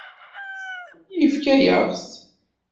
Yefka-yaɣ-t.